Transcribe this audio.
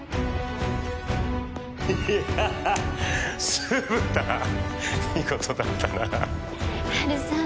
いやあ酢豚見事だったなあハルさん